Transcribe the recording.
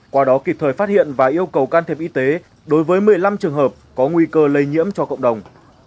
qua đó kịp thời phát hiện và yêu cầu can thiệp y tế đối với một mươi năm trường hợp có nguy cơ lây nhiễm cho cộng đồng